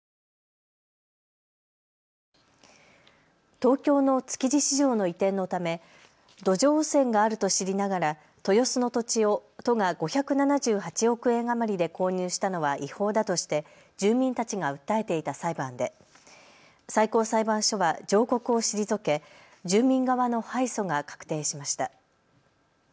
東京の築地市場の移転のため土壌汚染があると知りながら豊洲の土地を都が５７８億円余りで購入したのは違法だとして住民たちが訴えていた裁判で最高裁判所は上告を退け住民側の敗訴が確定しました。